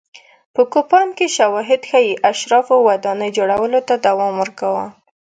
په کوپان کې شواهد ښيي اشرافو ودانۍ جوړولو ته دوام ورکاوه.